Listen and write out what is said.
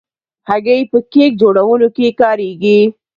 هګۍ په کیک جوړولو کې کارېږي.